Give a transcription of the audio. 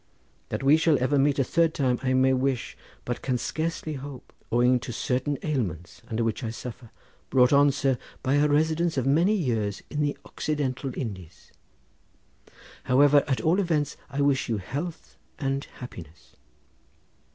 That we shall ever meet a third time I may wish but can scarcely hope, owing to certain ailments under which I suffer, brought on, sir, by a residence of many years in the Occidental Indies. However, at all events I wish you health and happiness."